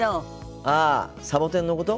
ああサボテンのこと？